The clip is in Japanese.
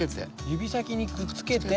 指先にくっつけて。